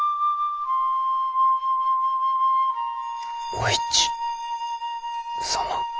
お市様？